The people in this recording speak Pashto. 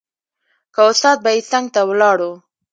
که استاد به يې څنګ ته ولاړ و.